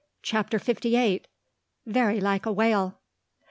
CHAPTER FIFTY EIGHT. VERY LIKE A WHALE.